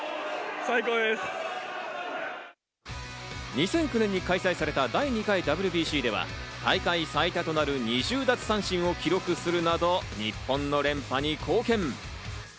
２００９年に開催された第２回ＷＢＣでは、大会最多となる２０奪三振を記録するなど、日本の連覇に貢献。